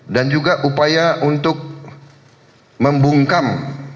dan juga upaya untuk membungkam